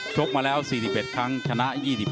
กมาแล้ว๔๑ครั้งชนะ๒๕